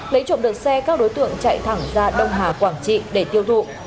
lấy trộm được xe các đối tượng chạy thẳng ra đông hà quảng trị để tiêu thụ